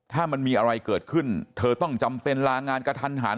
ถ้ามันมีอะไรเกิดขึ้นเธอต้องจำเป็นลางานกระทันหัน